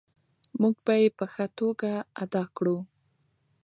موږ به یې په ښه توګه ادا کړو.